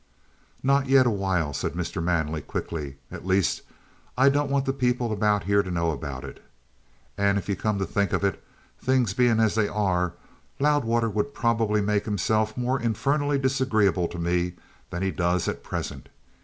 "Not yet awhile," said Mr. Manley quickly. "At least I don't want the people about here to know about it. And if you come to think of it, things being as they are, Loudwater would probably make himself more infernally disagreeable to me than he does at present.